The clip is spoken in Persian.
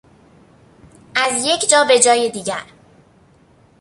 از یک جا به جای دیگر